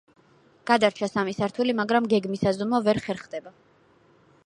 გადარჩა სამი სართული, მაგრამ გეგმის აზომვა ვერ ხერხდება.